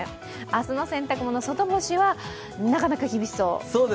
明日の洗濯物外干しは、なかなか厳しそう。